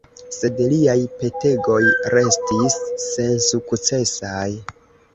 Sed liaj petegoj restis sensukcesaj.